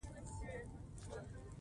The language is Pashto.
په افغانستان کې قومونه شتون لري.